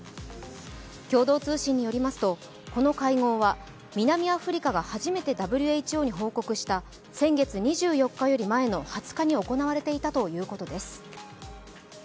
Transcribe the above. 共同通信によりますと、この会合は南アフリカが初めてＷＨＯに報告した先月２４日より前の２０日に行われていたということです。